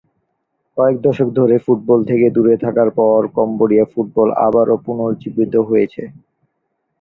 কয়েক দশক ধরে ফুটবল থেকে দূরে থাকার পর কম্বোডিয়া ফুটবল আবারো পুনরুজ্জীবিত হয়েছে।